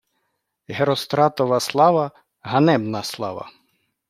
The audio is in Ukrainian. Геростратова слава — ганебна слава